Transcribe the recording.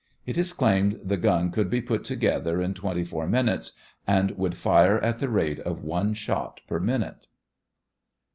It is claimed the gun could be put together in twenty four minutes, and would fire at the rate of one shot per minute.